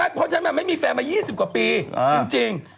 เพราะฉะนั้นมันไม่มีแฟนมา๒๐กว่าปีจริง